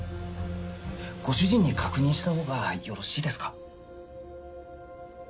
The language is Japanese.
ご主人に確認した方がよろしいですか？